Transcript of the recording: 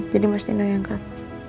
jadi mas dino yang angkat